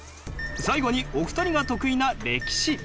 最後にお二人が得意な歴史。